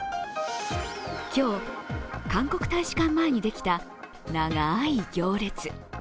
今日、韓国大使館前にできた長い行列。